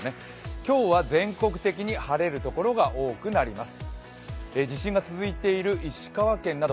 今日は全国的に晴れるところが多くなります。